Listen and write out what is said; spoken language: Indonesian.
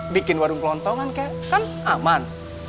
bikin warung kelontongan kek kan aman